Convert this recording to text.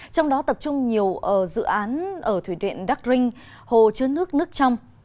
trong đó tập trung nhiều dự án ở thủy điện đắc rinh hồ chứa nước nước trong